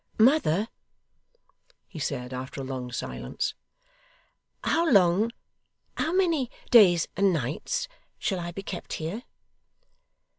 'Mother,' he said, after a long silence: 'how long, how many days and nights, shall I be kept here?